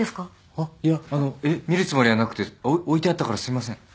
あっいやあのえっ見るつもりはなくてお置いてあったからすいません。